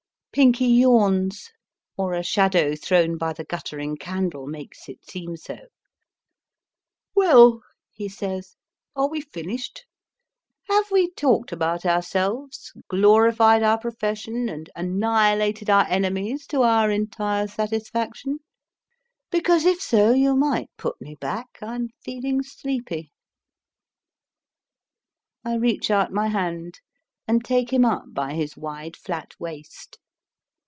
Pinky yawns (or a shadow thrown by the guttering candle makes it seem so). Well, he says, are we finished ? Have we talked about ourselves, glorified our profession, and anni hilated our enemies to our entire satisfaction ? Because, if so, you might put me back. I m feeling sleepy. I reach out my hand, and take him up by his wide, flat waist.